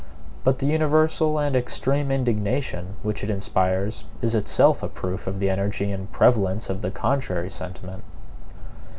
But the universal and extreme indignation which it inspires is itself a proof of the energy and prevalence of the contrary sentiment.